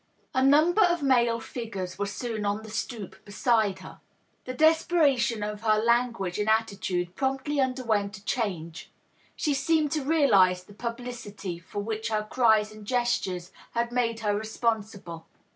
A number of male figures were soon on the stoop beside her. The desperation of her language and attitude promptly underwent a cluuige. She seemed to realize the publicity for which her cries and gestures had made her responsible.